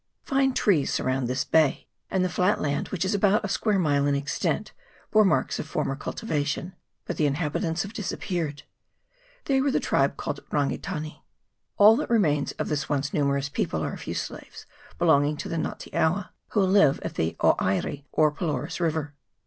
Fine trees surround this bay ; and the flat land, which was about a square mile in extent, bore marks of former cultivation ; but the inhabit ants have disappeared: they were the tribe called the Rangitane. All that remains of this once numerous people are a few slaves belonging to the Nga te awa, who live at the Oieri or Pylorus River.